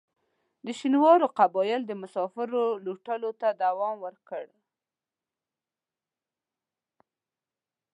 د شینوارو قبایلو د مسافرو لوټلو ته دوام ورکړ.